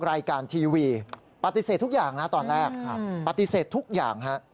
รายการทีวีปฏิเสธทุกอย่างนะตอนแรกปฏิเสธทุกอย่างฮะ